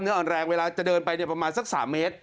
อ่อนแรงเวลาจะเดินไปประมาณสัก๓เมตร